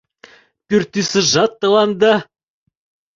Пӱртӱсыжат тыланда